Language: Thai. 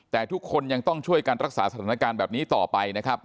แต่ทุกคนยังต้องช่วยการรักษาสถานการณ์แบบนี้ต่อไปนะครับ